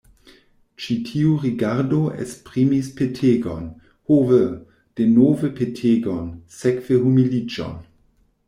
Ĉi tiu rigardo esprimis petegon, ho ve, denove petegon, sekve humiliĝon!